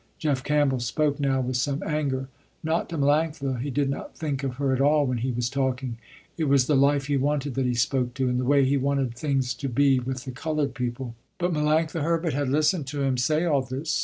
Jeff Campbell spoke now with some anger. Not to Melanctha, he did not think of her at all when he was talking. It was the life he wanted that he spoke to, and the way he wanted things to be with the colored people. But Melanctha Herbert had listened to him say all this.